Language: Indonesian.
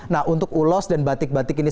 nah untuk ulos dan batik batik ini